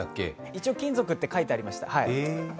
一応、金属って書いてありました。